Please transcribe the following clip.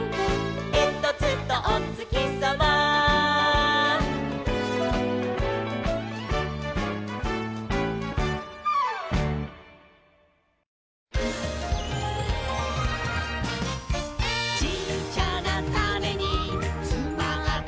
「えんとつとおつきさま」「ちっちゃなタネにつまってるんだ」